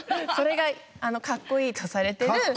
それがカッコいいとされてる。